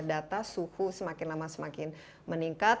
data suhu semakin lama semakin meningkat